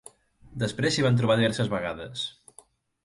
Després s'hi van trobar diverses vegades.